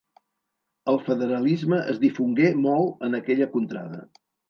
El federalisme es difongué molt en aquella contrada.